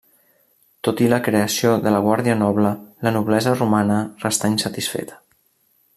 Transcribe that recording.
Tot i la creació de la Guàrdia Noble, la noblesa romana restà insatisfeta.